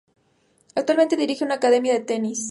Actualmente dirige una academia de tenis.